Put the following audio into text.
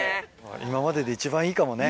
今までで一番いいかもね。